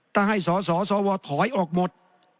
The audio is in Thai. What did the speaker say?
ถ้าให้สสวถอยออกหมด